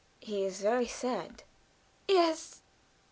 "He is very sad." "Yes."